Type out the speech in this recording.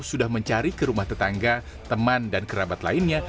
sudah mencari ke rumah tetangga teman dan kerabat lainnya